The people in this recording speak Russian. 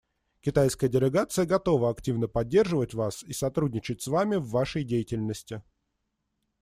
Китайская делегация готова активно поддерживать вас и сотрудничать с вами в вашей деятельности.